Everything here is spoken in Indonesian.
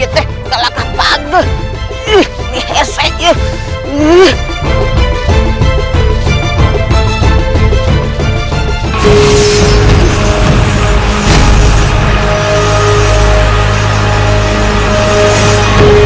tidak atuh tidak ada apa apa